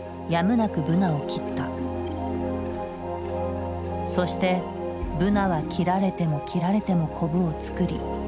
そしてブナは切られても切られてもコブを作り生き続けた。